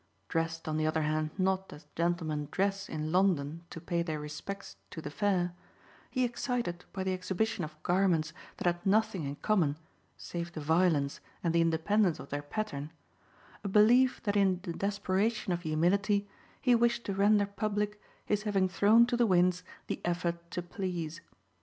Dressed on the other hand not as gentlemen dress in London to pay their respects to the fair, he excited by the exhibition of garments that had nothing in common save the violence and the independence of their pattern a belief that in the desperation of humility he wished to render public his having thrown to the winds the effort to please.